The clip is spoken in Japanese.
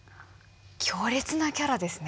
強烈なキャラですね。